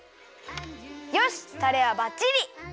よしっタレはバッチリ！